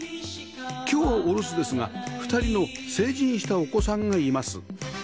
今日はお留守ですが２人の成人したお子さんがいます